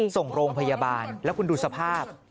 ส่งโรงพยาบาลแล้วคุณดูสภาพ